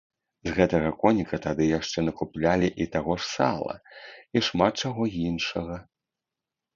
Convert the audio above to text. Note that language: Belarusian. З гэтага коніка тады яшчэ накуплялі і таго ж сала, і шмат чаго іншага.